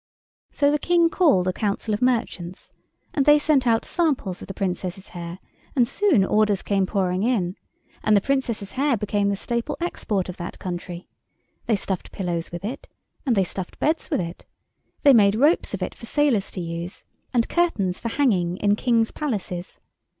So the King called a council of merchants, and they sent out samples of the Princess's hair, and soon orders came pouring in; and the Princess's hair became the staple export of that country. They stuffed pillows with it, and they stuffed beds with it. They made ropes of it for sailors to use, and curtains for hanging in Kings' palaces.